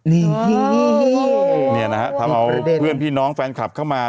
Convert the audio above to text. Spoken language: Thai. นี่เนี่ยนะฮะทำเอาเพื่อนพี่น้องแฟนคลับเข้ามา